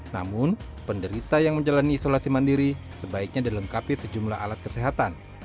namun penderita yang menjalani isolasi mandiri sebaiknya dilengkapi sejumlah alat kesehatan